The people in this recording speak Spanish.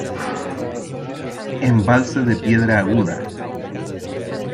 Embalse de piedra aguda.